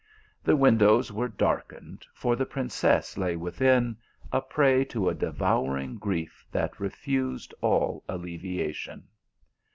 The windows were darkened, for the princess lay within, a prey to a devouring grief that refused all alleviation.